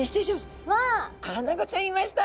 アナゴちゃんいました。